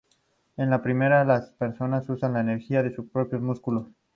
En la primera, las personas usan la energía de sus propios músculos.